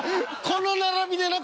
この並びでな